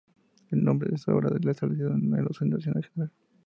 El nombre es ahora el establecido en el uso internacional general.